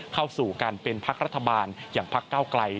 เข้าสู่การเป็นพักรัฐบาลอย่างพักเก้าไกล